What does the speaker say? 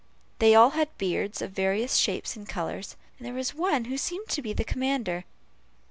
They all had beards, of various shapes and colors. There was one who seemed to be the commander.